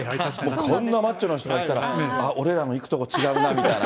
こんなマッチョな人がいたら、あっ、俺らの行くとこ違うなみたいな。